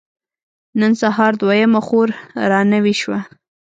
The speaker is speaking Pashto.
نن سهار دويمه خور را نوې شوه.